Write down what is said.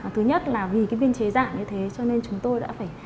thứ nhất là vì biên chế dạng như thế cho nên chúng tôi đã phải